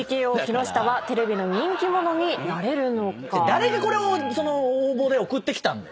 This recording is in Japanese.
誰がこれを応募で送ってきたんだよ。